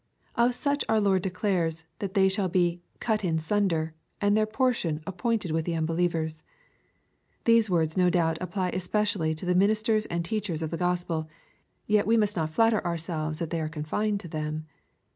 Of such our Lord declares, that they shall be "cut in sunder, and their portion appointed with the unbelievers." These words no doubt apply especially to the ministers and teachers of the Gospel. Yet we must not flatter ourselves that they are confined to them.